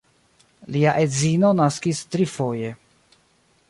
Lia edzino naskis trifoje.